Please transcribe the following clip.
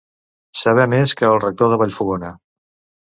Saber més que el rector de Vallfogona.